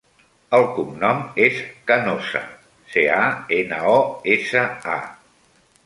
El cognom és Canosa: ce, a, ena, o, essa, a.